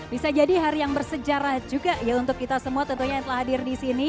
bisa jadi hari yang bersejarah juga ya untuk kita semua tentunya yang telah hadir di sini